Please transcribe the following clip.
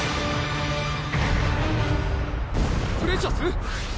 プレシャス⁉